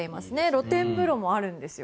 露天風呂もあるんですよ。